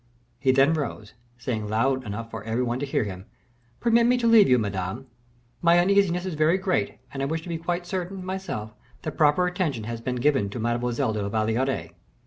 He then rose, saying loud enough for every one to hear him, "Permit me to leave you, Madame; my uneasiness is very great, and I wish to be quite certain, myself, that proper attention has been given to Mademoiselle de la Valliere."